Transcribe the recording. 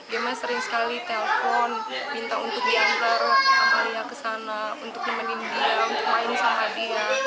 gemma sering sekali telepon minta untuk diantar amalia ke sana untuk nemenin dia untuk main sama dia